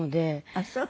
あっそう。